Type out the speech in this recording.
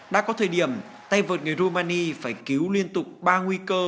đã có thời điểm tay vợt người romani phải cứu liên tục ba nguy cơ